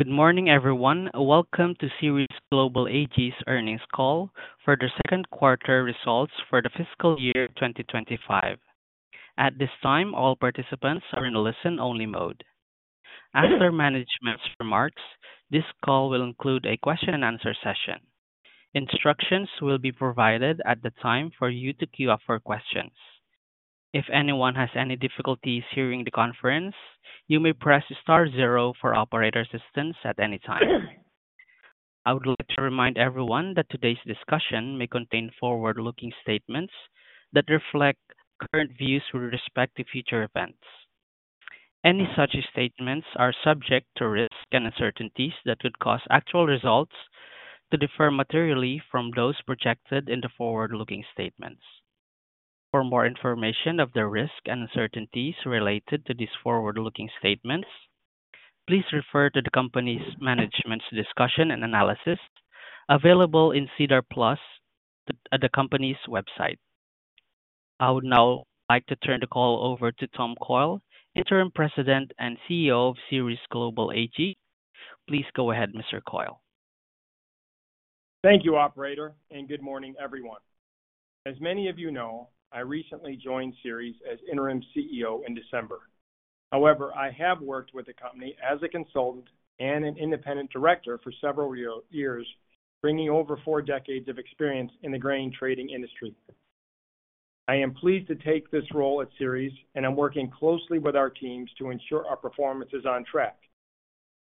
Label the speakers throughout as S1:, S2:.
S1: Good morning, everyone. Welcome to Ceres Global Ag's Earnings Call for the second quarter results for the fiscal year 2025. At this time, all participants are in listen-only mode. After management's remarks, this call will include a question-and-answer session. Instructions will be provided at the time for you to queue up for questions. If anyone has any difficulties hearing the conference, you may press star zero for operator assistance at any time. I would like to remind everyone that today's discussion may contain forward-looking statements that reflect current views with respect to future events. Any such statements are subject to risk and uncertainties that could cause actual results to differ materially from those projected in the forward-looking statements. For more information of the risk and uncertainties related to these forward-looking statements, please refer to the company's management's discussion and analysis available in SEDAR+ at the company's website. I would now like to turn the call over to Tom Coyle, Interim President and CEO of Ceres Global Ag. Please go ahead, Mr. Coyle.
S2: Thank you, Operator, and good morning, everyone. As many of you know, I recently joined Ceres as Interim CEO in December. However, I have worked with the company as a consultant and an independent director for several years, bringing over four decades of experience in the grain trading industry. I am pleased to take this role at Ceres, and I'm working closely with our teams to ensure our performance is on track.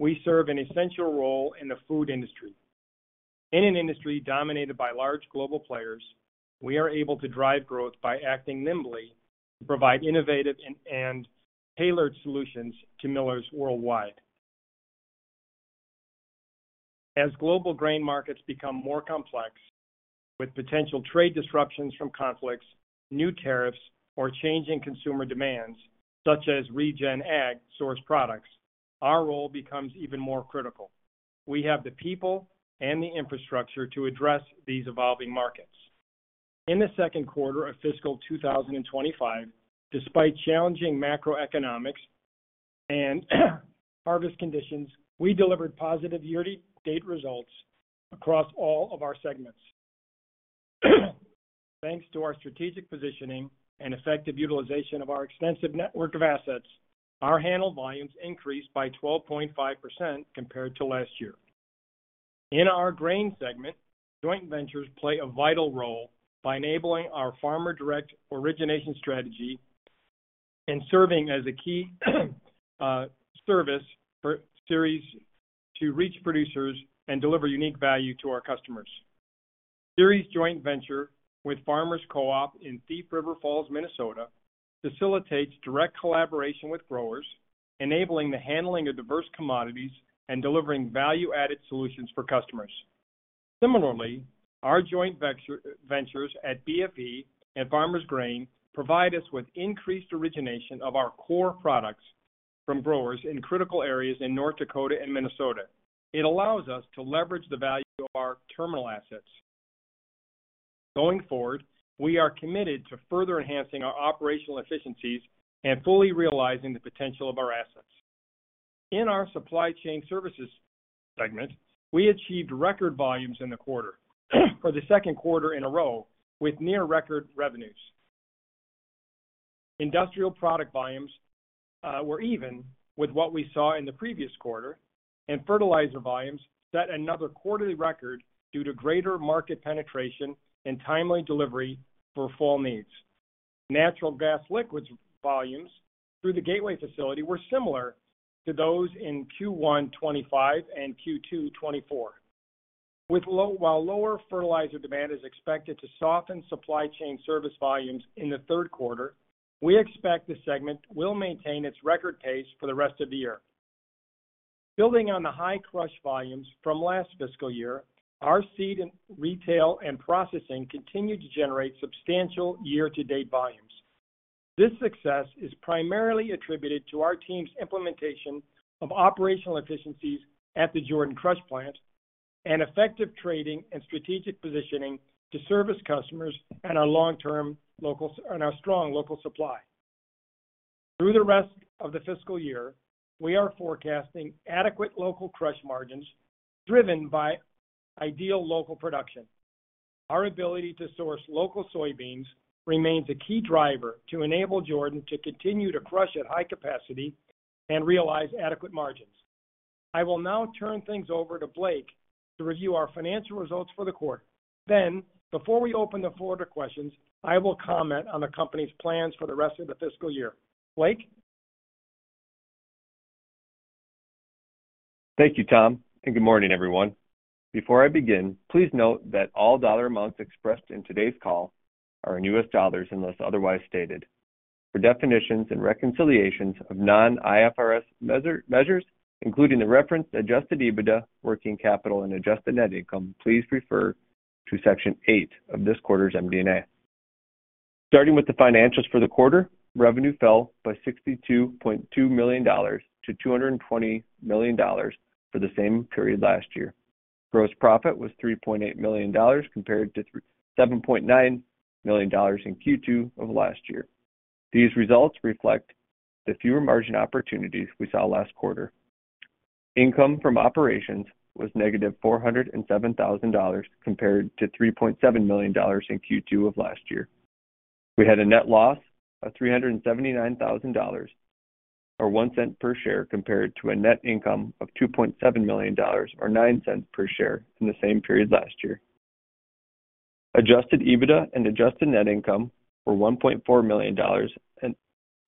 S2: We serve an essential role in the food industry. In an industry dominated by large global players, we are able to drive growth by acting nimbly to provide innovative and tailored solutions to millers worldwide. As global grain markets become more complex, with potential trade disruptions from conflicts, new tariffs, or changing consumer demands, such as Regen Ag source products, our role becomes even more critical. We have the people and the infrastructure to address these evolving markets. In the second quarter of fiscal 2025, despite challenging macroeconomics and harvest conditions, we delivered positive year-to-date results across all of our segments. Thanks to our strategic positioning and effective utilization of our extensive network of assets, our handle volumes increased by 12.5% compared to last year. In our grain segment, joint ventures play a vital role by enabling our farmer direct origination strategy and serving as a key service for Ceres to reach producers and deliver unique value to our customers. Ceres joint venture with Farmers Co-op in Thief River Falls, Minnesota, facilitates direct collaboration with growers, enabling the handling of diverse commodities and delivering value-added solutions for customers. Similarly, our joint ventures at BFE and Farmers Grain provide us with increased origination of our core products from growers in critical areas in North Dakota and Minnesota. It allows us to leverage the value of our terminal assets. Going forward, we are committed to further enhancing our operational efficiencies and fully realizing the potential of our assets. In our supply chain services segment, we achieved record volumes in the quarter, for the second quarter in a row, with near-record revenues. Industrial product volumes were even with what we saw in the previous quarter, and fertilizer volumes set another quarterly record due to greater market penetration and timely delivery for fall needs. Natural gas liquids volumes through the Gateway facility were similar to those in Q1 2025 and Q2 2024. While lower fertilizer demand is expected to soften supply chain service volumes in the third quarter, we expect the segment will maintain its record pace for the rest of the year. Building on the high crush volumes from last fiscal year, our seed and retail and processing continue to generate substantial year-to-date volumes. This success is primarily attributed to our team's implementation of operational efficiencies at the Jordan Crush Plant and effective trading and strategic positioning to service customers and our long-term local and our strong local supply. Through the rest of the fiscal year, we are forecasting adequate local crush margins driven by ideal local production. Our ability to source local soybeans remains a key driver to enable Jordan to continue to crush at high capacity and realize adequate margins. I will now turn things over to Blake to review our financial results for the quarter. Before we open the floor to questions, I will comment on the company's plans for the rest of the fiscal year. Blake?
S3: Thank you, Tom, and good morning, everyone. Before I begin, please note that all dollar amounts expressed in today's call are in U.S. dollars unless otherwise stated. For definitions and reconciliations of non-IFRS measures, including the reference adjusted EBITDA, working capital, and adjusted net income, please refer to Section 8 of this quarter's MD&A. Starting with the financials for the quarter, revenue fell by $62.2 million to $220 million for the same period last year. Gross profit was $3.8 million compared to $7.9 million in Q2 of last year. These results reflect the fewer margin opportunities we saw last quarter. Income from operations was -$407,000 compared to $3.7 million in Q2 of last year. We had a net loss of $379,000 or $0.01 per share compared to a net income of $2.7 million or $0.09 per share in the same period last year. Adjusted EBITDA and adjusted net income were $1.4 million and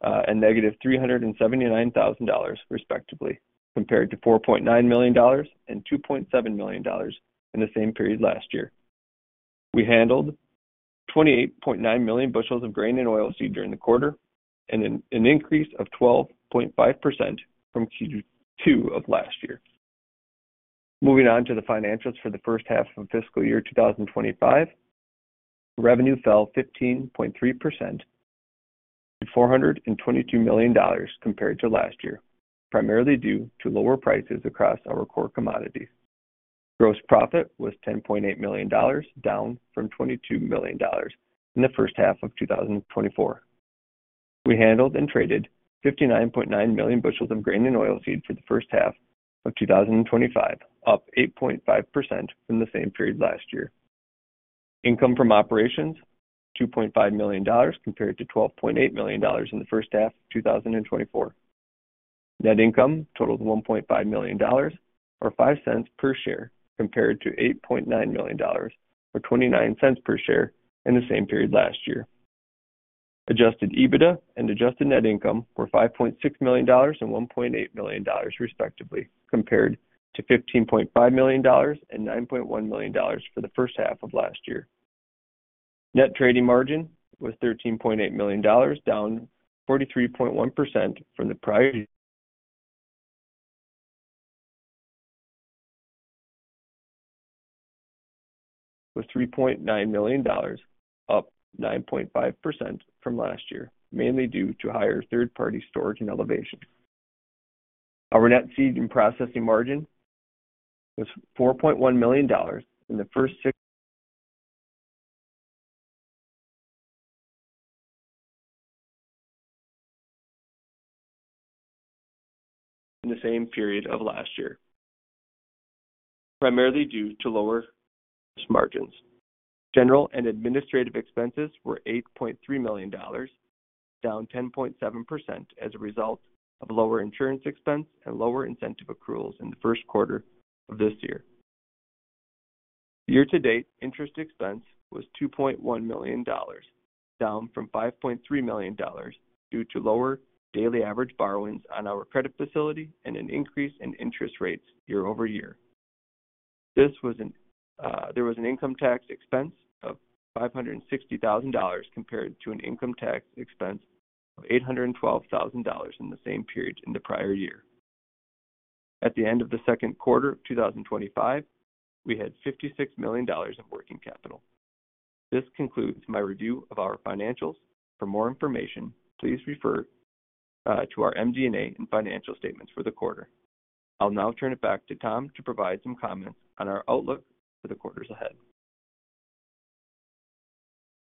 S3: -$379,000, respectively, compared to $4.9 million and $2.7 million in the same period last year. We handled 28.9 million bushels of grain and oilseed during the quarter, an increase of 12.5% from Q2 of last year. Moving on to the financials for the first half of fiscal year 2025, revenue fell 15.3% to $422 million compared to last year, primarily due to lower prices across our core commodities. Gross profit was $10.8 million, down from $22 million in the first half of 2024. We handled and traded 59.9 million bushels of grain and oilseed for the first half of 2025, up 8.5% from the same period last year. Income from operations was $2.5 million compared to $12.8 million in the first half of 2024. Net income totaled $1.5 million or $0.05 per share compared to $8.9 million or $0.29 per share in the same period last year. Adjusted EBITDA and adjusted net income were $5.6 million and $1.8 million, respectively, compared to $15.5 million and $9.1 million for the first half of last year. Net trading margin was $13.8 million, down 43.1% from the prior year. It was $3.9 million, up 9.5% from last year, mainly due to higher third-party storage and elevation. Our net seed and processing margin was $4.1 million in the same period of last year, primarily due to lower margins. General and administrative expenses were $8.3 million, down 10.7% as a result of lower insurance expense and lower incentive accruals in the first quarter of this year. Year-to-date interest expense was $2.1 million, down from $5.3 million due to lower daily average borrowings on our credit facility and an increase in interest rates year over year. There was an income tax expense of $560,000 compared to an income tax expense of $812,000 in the same period in the prior year. At the end of the second quarter of 2025, we had $56 million in working capital. This concludes my review of our financials. For more information, please refer to our MD&A and financial statements for the quarter. I'll now turn it back to Tom to provide some comments on our outlook for the quarters ahead.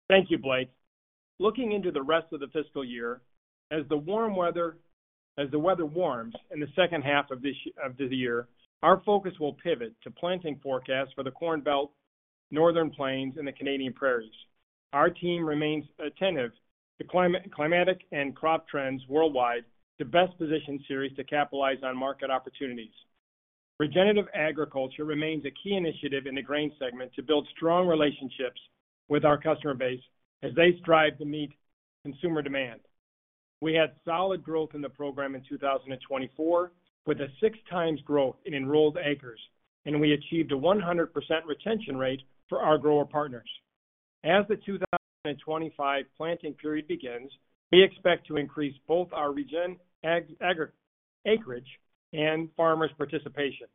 S2: Thank you, Blake. Looking into the rest of the fiscal year, as the warm weather warms in the second half of this year, our focus will pivot to planting forecasts for the Corn Belt, Northern Plains, and the Canadian Prairies. Our team remains attentive to climatic and crop trends worldwide to best position Ceres to capitalize on market opportunities. Regenerative agriculture remains a key initiative in the grain segment to build strong relationships with our customer base as they strive to meet consumer demand. We had solid growth in the program in 2024, with a six-times growth in enrolled acres, and we achieved a 100% retention rate for our grower partners. As the 2025 planting period begins, we expect to increase both our regen acreage and farmers' participation.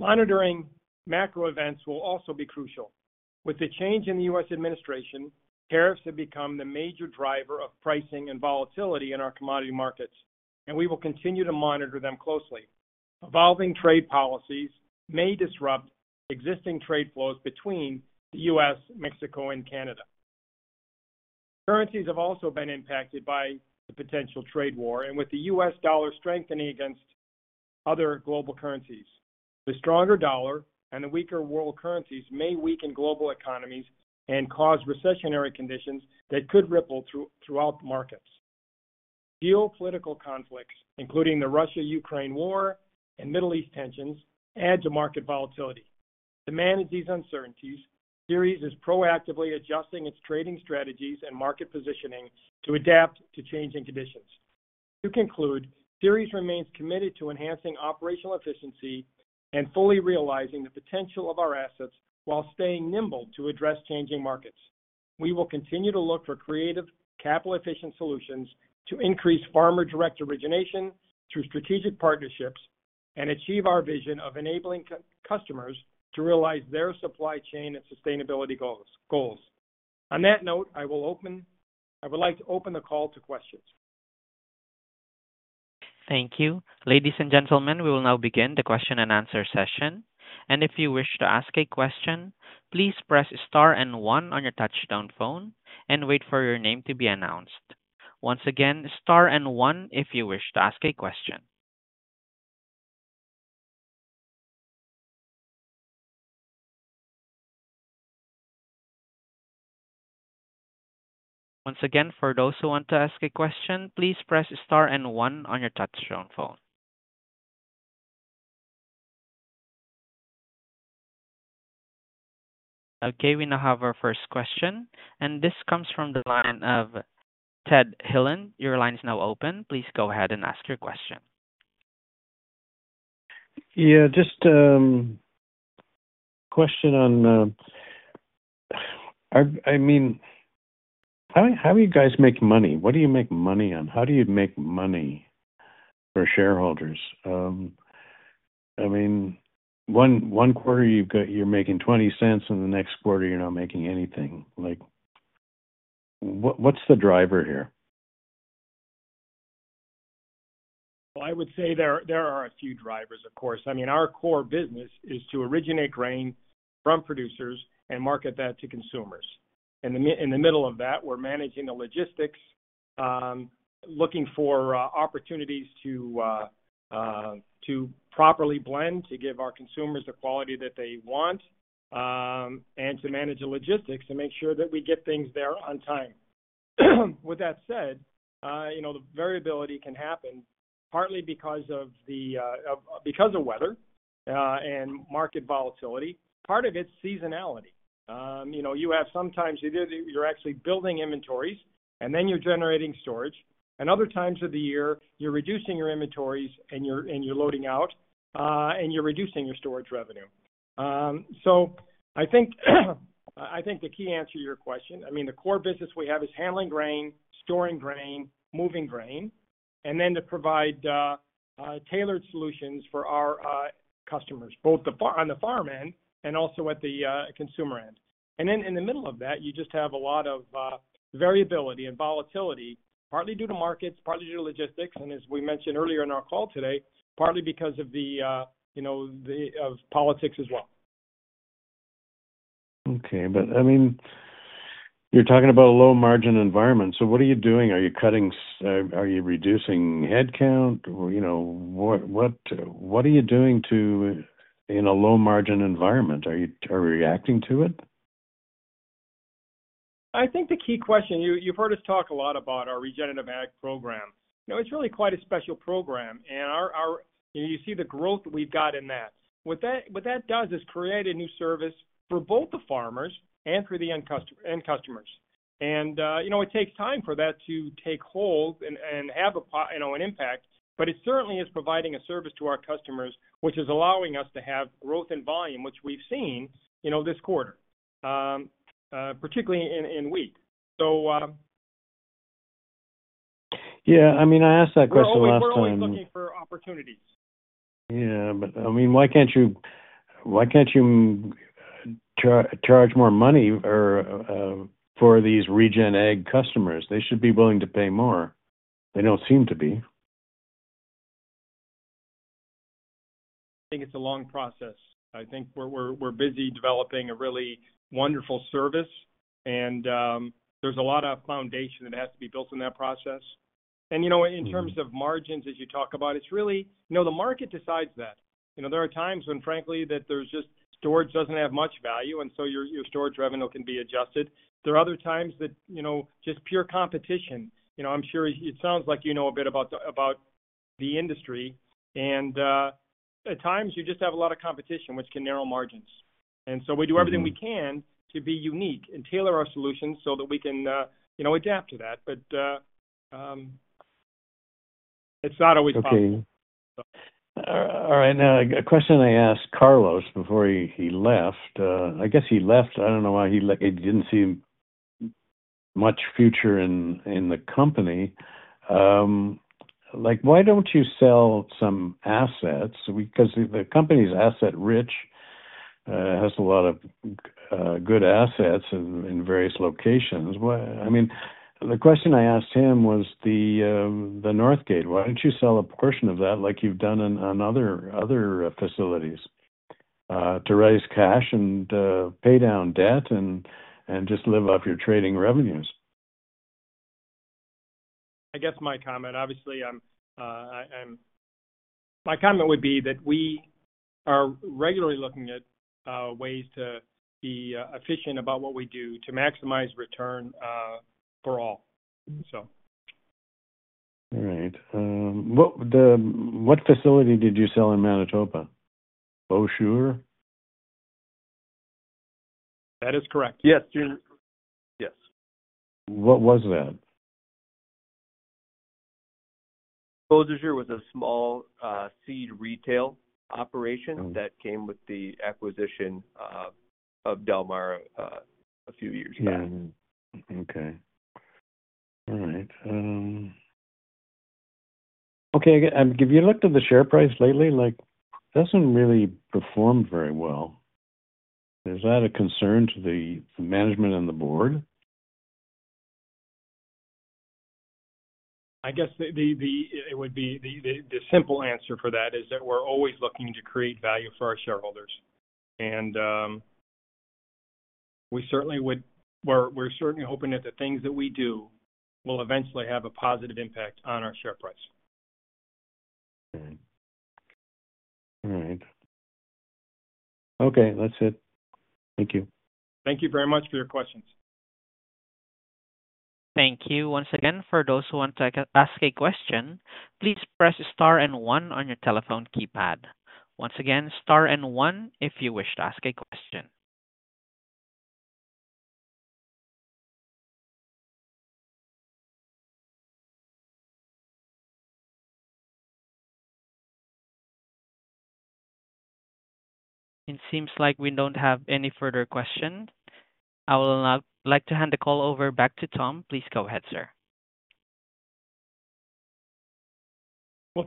S2: Monitoring macro events will also be crucial. With the change in the U.S. Administration, tariffs have become the major driver of pricing and volatility in our commodity markets, and we will continue to monitor them closely. Evolving trade policies may disrupt existing trade flows between the U.S., Mexico, and Canada. Currencies have also been impacted by the potential trade war, and with the U.S. dollar strengthening against other global currencies, the stronger dollar and the weaker world currencies may weaken global economies and cause recessionary conditions that could ripple throughout markets. Geopolitical conflicts, including the Russia-Ukraine war and Middle East tensions, add to market volatility. To manage these uncertainties, Ceres is proactively adjusting its trading strategies and market positioning to adapt to changing conditions. To conclude, Ceres remains committed to enhancing operational efficiency and fully realizing the potential of our assets while staying nimble to address changing markets. We will continue to look for creative, capital-efficient solutions to increase farmer direct origination through strategic partnerships and achieve our vision of enabling customers to realize their supply chain and sustainability goals. On that note, I would like to open the call to questions.
S1: Thank you. Ladies and gentlemen, we will now begin the question and answer session. If you wish to ask a question, please press star and one on your touch-tone phone and wait for your name to be announced. Once again, star and one if you wish to ask a question. For those who want to ask a question, please press star and one on your touch-tone phone. Okay, we now have our first question, and this comes from the line of Ted Hillen. Your line is now open. Please go ahead and ask your question. Yeah, just a question on, I mean, how do you guys make money? What do you make money on? How do you make money for shareholders? I mean, one quarter you're making $0.20, and the next quarter you're not making anything. What's the driver here?
S2: I would say there are a few drivers, of course. I mean, our core business is to originate grain from producers and market that to consumers. In the middle of that, we're managing the logistics, looking for opportunities to properly blend to give our consumers the quality that they want, and to manage the logistics to make sure that we get things there on time. With that said, the variability can happen partly because of the weather and market volatility. Part of it's seasonality. You have some times you're actually building inventories, and then you're generating storage. Other times of the year, you're reducing your inventories and you're loading out, and you're reducing your storage revenue. I think the key answer to your question, I mean, the core business we have is handling grain, storing grain, moving grain, and then to provide tailored solutions for our customers, both on the farm end and also at the consumer end. In the middle of that, you just have a lot of variability and volatility, partly due to markets, partly due to logistics, and as we mentioned earlier in our call today, partly because of the politics as well. Okay, but I mean, you're talking about a low-margin environment. What are you doing? Are you cutting? Are you reducing headcount? What are you doing in a low-margin environment? Are you reacting to it? I think the key question, you've heard us talk a lot about our regenerative ag program. It's really quite a special program, and you see the growth we've got in that. What that does is create a new service for both the farmers and for the end customers. It takes time for that to take hold and have an impact, but it certainly is providing a service to our customers, which is allowing us to have growth in volume, which we've seen this quarter, particularly in wheat. Yeah, I mean, I asked that question last time. We're looking for opportunities. Yeah, but I mean, why can't you charge more money for these Regen Ag customers? They should be willing to pay more. They don't seem to be. I think it's a long process. I think we're busy developing a really wonderful service, and there's a lot of foundation that has to be built in that process. In terms of margins, as you talk about, it's really the market decides that. There are times when, frankly, storage doesn't have much value, and so your storage revenue can be adjusted. There are other times that just pure competition. I'm sure it sounds like you know a bit about the industry, and at times you just have a lot of competition, which can narrow margins. We do everything we can to be unique and tailor our solutions so that we can adapt to that, but it's not always possible. Okay. All right. Now, a question I asked Carlos before he left. I guess he left. I don't know why he didn't see much future in the company. Why don't you sell some assets? Because the company's asset-rich, has a lot of good assets in various locations. I mean, the question I asked him was the Northgate. Why don't you sell a portion of that like you've done in other facilities to raise cash and pay down debt and just live off your trading revenues? I guess my comment, obviously, my comment would be that we are regularly looking at ways to be efficient about what we do to maximize return for all. All right. What facility did you sell in Manitoba? Beausejour? That is correct. Yes. What was that? Beausejour was a small seed retail operation that came with the acquisition of Delmar a few years back. Okay. All right. Okay, have you looked at the share price lately? It doesn't really perform very well. Is that a concern to the management and the board? I guess it would be the simple answer for that is that we're always looking to create value for our shareholders. We're certainly hoping that the things that we do will eventually have a positive impact on our share price. Okay. All right. Okay, that's it. Thank you. Thank you very much for your questions.
S1: Thank you once again. For those who want to ask a question, please press star and one on your telephone keypad. Once again, star and one if you wish to ask a question. It seems like we don't have any further questions. I would like to hand the call over back to Tom. Please go ahead, sir.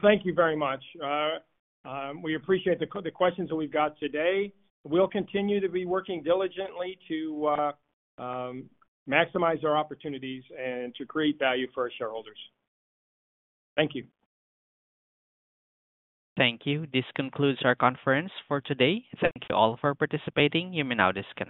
S2: Thank you very much. We appreciate the questions that we've got today. We'll continue to be working diligently to maximize our opportunities and to create value for our shareholders. Thank you.
S1: Thank you. This concludes our conference for today. Thank you all for participating. You may now disconnect.